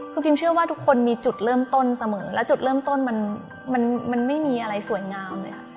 คือฟิล์เชื่อว่าทุกคนมีจุดเริ่มต้นเสมอและจุดเริ่มต้นมันไม่มีอะไรสวยงามเลย